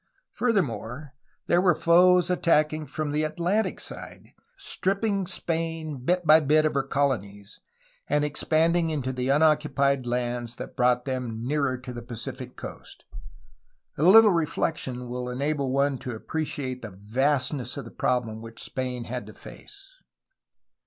Furthermore, there were foes attacking from the Atlantic side, stripping Spain bit by bit of her colonies, and expanding into the unoccupied lands that brought them nearer to the Pacific coast. A little reflection will enable one to appreciate the vastness of the problem which Spain had to face.